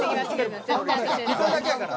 １人だけやから。